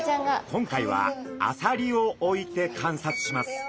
今回はアサリを置いて観察します。